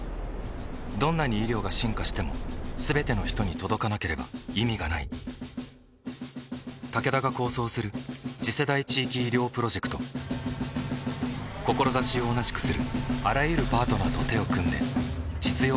どんなに医療が進化しても全ての人に届かなければ意味がないタケダが構想する次世代地域医療プロジェクト志を同じくするあらゆるパートナーと手を組んで実用化に挑む